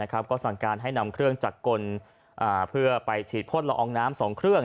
ก็สั่งการให้นำเครื่องจักรกลเพื่อไปฉีดพ่นละอองน้ำ๒เครื่อง